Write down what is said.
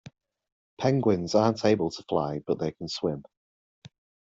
Penguins aren't able to fly, but they can swim